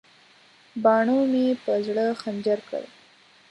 باڼو مې په زړه خنجر کړل.